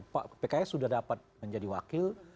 pak pks sudah dapat menjadi wakil